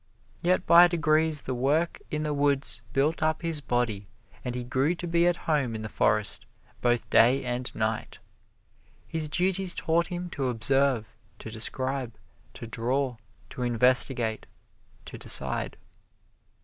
Yet by degrees the work in the woods built up his body and he grew to be at home in the forest, both day and night. His duties taught him to observe, to describe, to draw, to investigate, to decide.